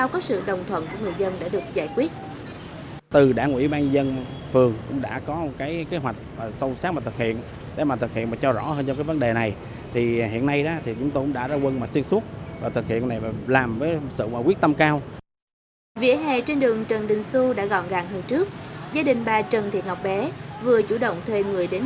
cũng như đường trần đinh xô vỉa hè trên những con đường khác như nguyễn bình khiêm